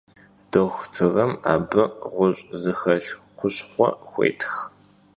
Doxutırım abı ğuş' zıxelh xuşxhue xuêtx.